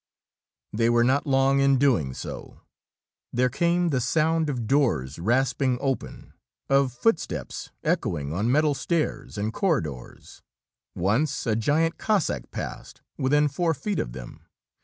They were not long in doing so. There came the sound of doors rasping open, of footsteps echoing on metal stairs and corridors. Once a giant Cossack passed within four feet of them.